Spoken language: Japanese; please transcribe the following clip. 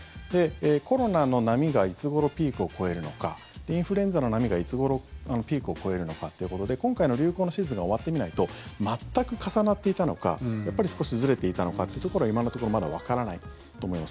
コロナの波がいつごろピークを越えるのかインフルエンザの波がいつごろピークを越えるのかということで今回の流行のシーズンが終わってみないと全く重なっていたのかやっぱり少しずれていたのかというところが今のところまだわからないと思います。